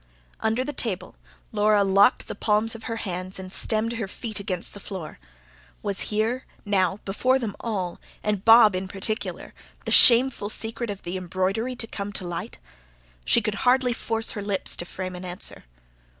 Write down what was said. Under the table, Laura locked the palms of her hands and stemmed her feet against the floor. Was here, now, before them all, and Bob in particular, the shameful secret of the embroidery to come to light? She could hardly force her lips to frame an answer.